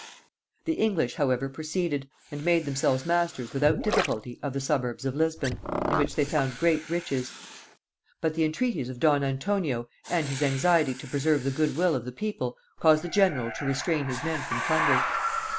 The English however proceeded, and made themselves masters without difficulty of the suburbs of Lisbon, in which they found great riches; but the entreaties of don Antonio, and his anxiety to preserve the good will of the people, caused the general, to restrain his men from plunder.